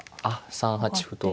３八歩と。